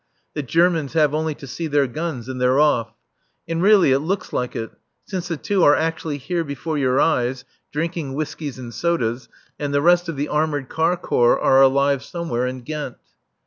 The Germans have only to see their guns and they're off. And really it looks like it, since the two are actually here before your eyes, drinking whiskies and sodas, and the rest of the armoured car corps are alive somewhere in Ghent.